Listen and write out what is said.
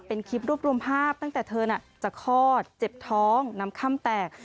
เป็นคลิปรวบรวมภาพตั้งแต่เธอน่ะจะคลอดเจ็บท้องน้ำค่ำแตก